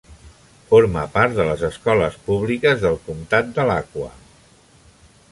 Forma part de les escoles públiques del comtat d"Alachua.